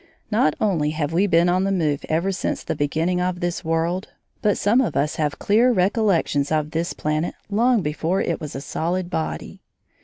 Not only have we been on the move ever since the beginning of this world, but some of us have clear recollections of this planet long before it was a solid body.